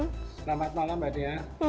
selamat malam mbak dina